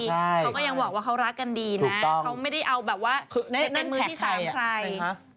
เขาก็ยังรักกันดีนะเขาไม่ได้เอาแบบว่าเป็นมือที่ซ้ำใครนะครับ